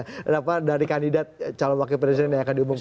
dari kandidat calon wakil presiden yang akan diumumkan